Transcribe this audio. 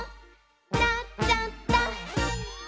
「なっちゃった！」